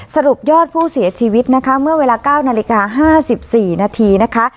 สรุปยอดผู้เสียชีวิตนะคะเมื่อเวลา๙นาฬิกา๕๔นาทีนะคะ